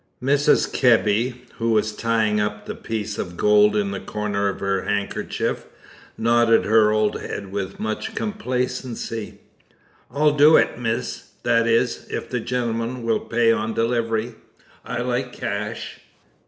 Mrs. Kebby, who was tying up the piece of gold in the corner of her handkerchief, nodded her old head with much complacency. "I'll do it, miss; that is, if the gentleman will pay on delivery. I like cash."